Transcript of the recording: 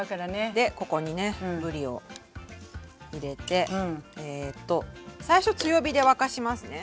でここにねぶりを入れてえと最初強火で沸かしますね。